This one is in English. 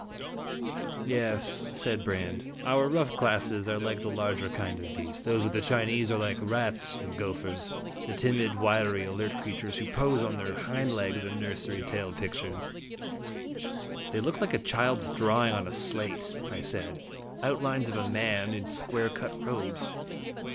"Yes," said Brande; "our rough classes are like the larger kind of beast ; those of the Chinese are like rats and gophers the timid, wiry, alert creatures who pose on their hind legs in nursery tale pictures." " They look like a child's drawing on a slate," I said; " outlines of a man, in square cut robes."